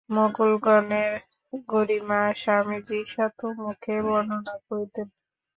মোগলগণের গরিমা স্বামীজী শতমুখে বর্ণনা করিতেন।